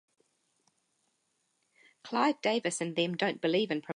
Clive Davis and them don't believe in promotion.